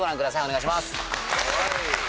お願いします！